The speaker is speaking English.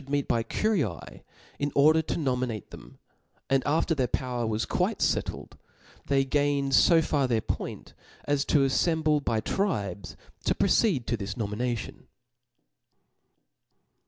meet by curiae in order to nominate them j and *J^] *"^ after their power was quite fettled, they gained (')(') See fo far their point as to afiemblc by tribes to pro SaHcj^n. ceed to this nomination.